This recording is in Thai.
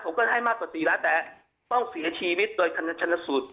ผมก็ได้มากกว่า๔ล้านแต่ต้องเสียชีวิตโดยชนสูตร